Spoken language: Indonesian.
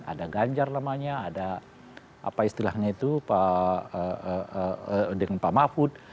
ada ganjar namanya ada apa istilahnya itu dengan pak mahfud